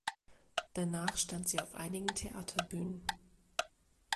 Danach stand sie auf einigen Theaterbühnen.